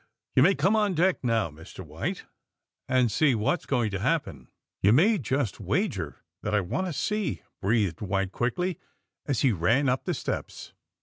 ^* You may come on deck, now, Mr. White, and see what is going to happen." You may just wager that I want to see!" breathed White quickly, as he ran up the steps.